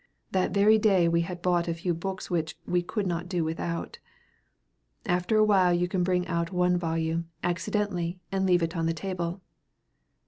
That very day we had bought a few books which "we could not do without." After a while you can bring out one volume, accidentally, and leave it on the table.